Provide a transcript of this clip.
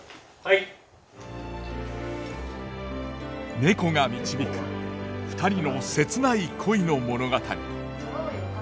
猫が導く２人の切ない恋の物語。